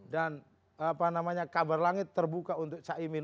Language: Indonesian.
dan kabar langit terbuka untuk cak imin